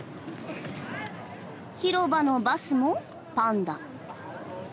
広場のバスもパンダ。